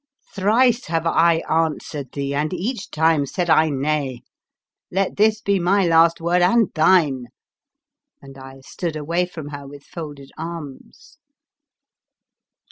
" Thrice have I answered thee, and each time said I nay ; let this be my last word and thine!" and I stood away from her with folded arms.